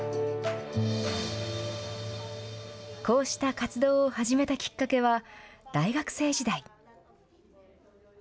こうした活動を始めたきっかけは大学生時代。